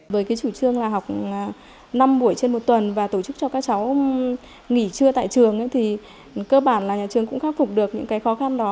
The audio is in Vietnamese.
với cái chủ trương là học năm buổi trên một tuần và tổ chức cho các cháu nghỉ trưa tại trường thì cơ bản là nhà trường cũng khắc phục được những cái khó khăn đó